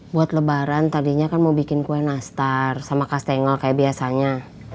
buat lebaran tadinya kan mau bikin kue nastar sama kastengel kayak biasanya